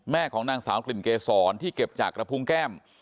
ของนางสาวกลิ่นเกษรที่เก็บจากกระพุงแก้ม